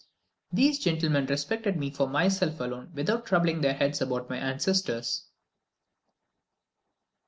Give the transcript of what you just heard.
These gentlemen respected me for myself alone without troubling their heads about my ancestors.